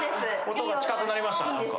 音が近くなりました。